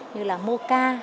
như là moca